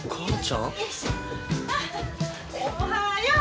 おはよう。